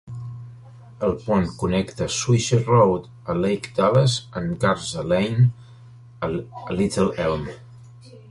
El pont connecta Swisher Road a Lake Dallas amb Garza Lane a Little Elm.